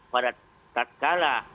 pada saat kala